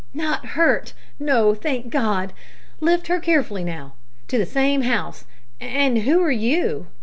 "Not hurt! No, thank God. Lift her carefully now. To the same house. And who are you?"